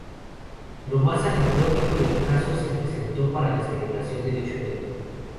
Lo más anecdótico del caso se presentó para la celebración de dicho evento.